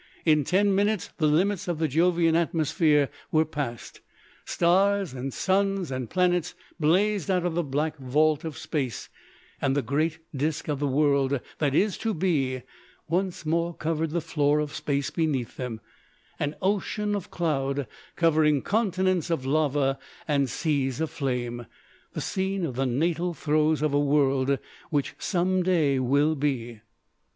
In ten minutes the limits of the Jovian atmosphere were passed. Stars and suns and planets blazed out of the black vault of Space, and the great disc of the World that Is to Be once more covered the floor of Space beneath them an ocean of cloud, covering continents of lava and seas of flame, the scene of the natal throes of a world which some day will be.